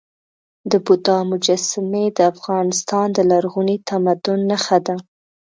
د بودا مجسمې د افغانستان د لرغوني تمدن نښه ده.